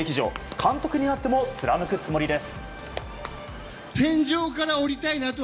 監督になっても貫くつもりです。